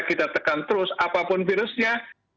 kita tekan terus apapun virusnya